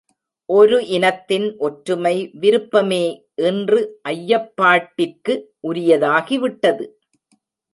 ஒரு இனத்தின் ஒற்றுமை விருப்பமே இன்று ஐயப்பாட்டிற்கு உரியதாகிவிட்டது.